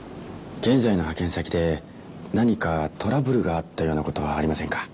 現在の派遣先で何かトラブルがあったような事はありませんか？